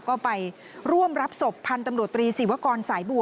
ก็ไปร่วมรับศพพันธุ์ตำรวจตรีศิวกรสายบัว